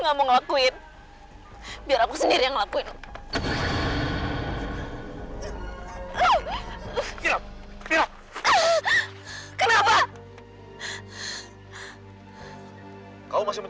apa ayahku bisa kembali ke rumah aku